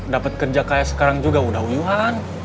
dapat kerja kaya sekarang juga udah uyuhan